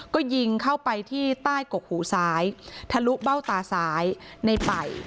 ก็ยิงเข้าไปที่ใต้กกหูซ้ายทะลุเบ้าตาซ้ายในป่าย